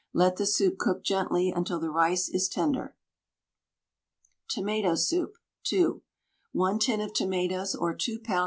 Let the soup cook gently until the rice is tender. TOMATO SOUP (2). 1 tin of tomatoes, or 2 lbs.